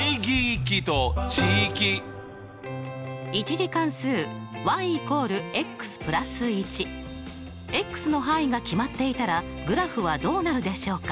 １次関数＝＋１。の範囲が決まっていたらグラフはどうなるでしょうか？